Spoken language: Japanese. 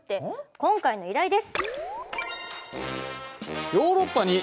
今回の依頼です！